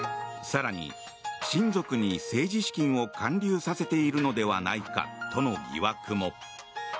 更に、親族に政治資金を還流させているのではないかとの疑惑も。